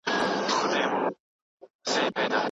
هغه انقلاب چي وینې تویوي دردونکی وي.